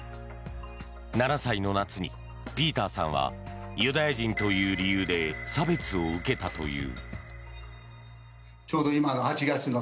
７歳の夏にピーターさんはユダヤ人という理由で差別を受けたという。